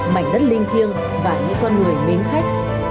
mảnh đất linh thiêng và những con người mến khách